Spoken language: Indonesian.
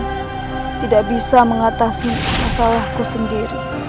saya tidak bisa mengatasi masalahku sendiri